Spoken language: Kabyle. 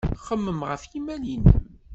Xemmem ɣef yimal-nnem.